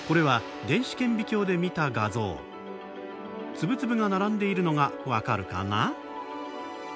粒々が並んでいるのが分かるかな？